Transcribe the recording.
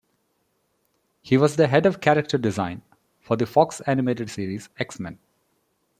He was the head of character design for the Fox animated series "X-Men".